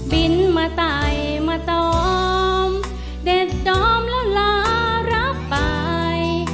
บินมาตายมาตอมเด็ดดอมละละรับไป